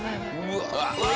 うわ！